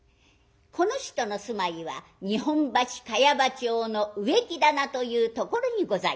この人の住まいは日本橋茅場町の植木店というところにございました。